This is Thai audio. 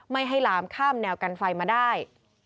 ไม่ให้ลามข้ามแนวกันไฟมาได้